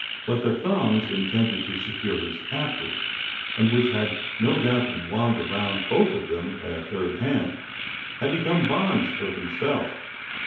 But the thongs intended to secure his captive and which had no doubt been wound around both of them by a third hand had become bonds for himself.